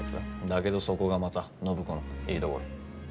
だけどそこがまた暢子のいいところ。